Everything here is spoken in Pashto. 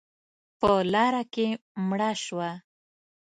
_په لاره کې مړه شوه.